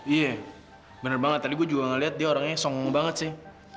iya bener banget tadi gua juga gak liat dia orangnya song banget sih